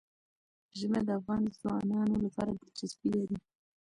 ژمی د افغان ځوانانو لپاره دلچسپي لري.